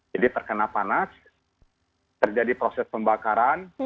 jadi terkena panas terjadi proses pembakaran